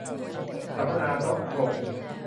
สัมมนาโต๊ะกลม